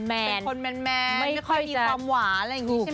เป็นคนแมนมันไม่ค่อยมีความหวานอะไรอย่างนี้ใช่ไหม